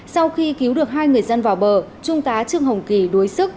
sau khi cứu được hai người dân vào bờ trung tá trương hồng kỳ đuối sức